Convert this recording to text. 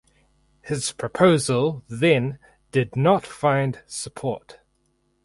His proposal then did not find support.